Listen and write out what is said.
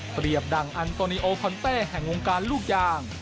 เปรียบดังอันโตเนียโอคอนเต้แห่งวงการลูกยาง